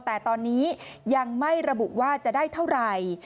แต่ตอนนี้ยังไม่ระบุว่าจะได้เท่าไหร่